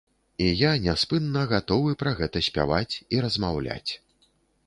І я няспынна гатовы пра гэта спяваць, і размаўляць.